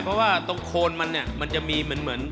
เพราะว่าตรงโคนมันเนี่ยมันจะมีเหมือน